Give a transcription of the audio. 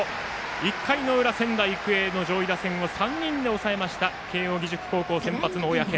１回の裏、仙台育英の上位打線を３人で抑えました慶応義塾高校先発の小宅。